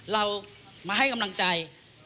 เรามาให้กำลังใจ